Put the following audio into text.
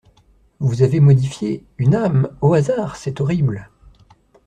Vous avez modifié… une âme! au hasard? c’est horrible !